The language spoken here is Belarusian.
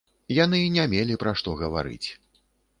Яны не мелі пра што гаварыць.